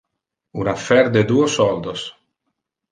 Un affaire de duo soldos.